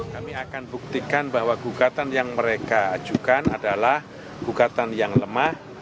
kami akan buktikan bahwa gugatan yang mereka ajukan adalah gugatan yang lemah